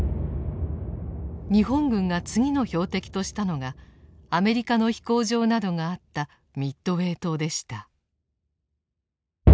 日本軍が次の標的としたのがアメリカの飛行場などがあったミッドウェー島でした。